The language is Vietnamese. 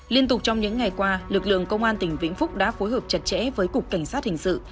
liên tục trong những ngày qua lực lượng công an tỉnh vĩnh phúc đã phối hợp chặt chẽ với cục cảnh sát hình sự